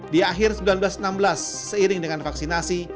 di akhir seribu sembilan ratus enam belas seiring dengan vaksinasi